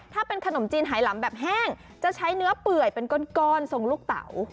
ถ้าเป็นขนมจีนไหลำแบบแห้งจะใช้เนื้อเปื่อยเป็นก้อนทรงลูกเต๋า